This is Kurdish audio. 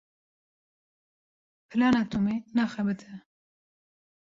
Plana Tomî naxebite.